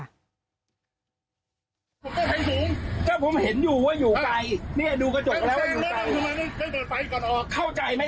ผมก็ไขสูงจ้ะผมเห็นอยู่ว่าอยู่ไกลเนี่ยดูกระจกแล้วว่าอยู่ไกล